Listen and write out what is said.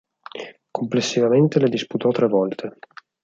Complessivamente le disputò tre volte.